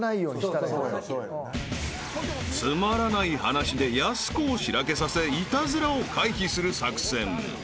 ［つまらない話でやす子をしらけさせイタズラを回避する作戦］